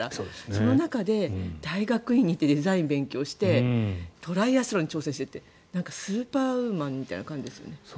その中で、大学院に行ってデザインを勉強してトライアスロンに挑戦してってスーパーウーマンみたいな感じですよね。